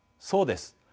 そうです。